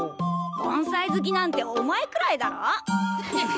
盆栽好きなんてお前くらいだろ。